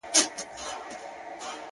تک سپين کالي کړيدي ـ